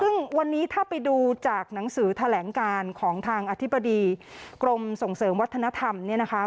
ซึ่งวันนี้ถ้าไปดูจากหนังสือแถลงการของทางอธิบดีกรมส่งเสริมวัฒนธรรมเนี่ยนะคะ